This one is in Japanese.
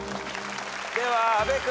では阿部君。